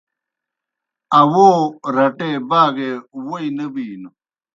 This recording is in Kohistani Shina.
اوو رٹے باگے ووئی نہ بِینوْ۔